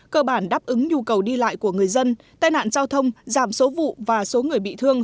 cơ bản đáp ứng nhu cầu đi lại của người dân tai nạn giao thông giảm số vụ và số người bị thương